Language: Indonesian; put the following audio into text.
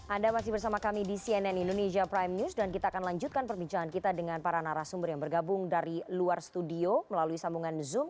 anda masih bersama kami di cnn indonesia prime news dan kita akan lanjutkan perbincangan kita dengan para narasumber yang bergabung dari luar studio melalui sambungan zoom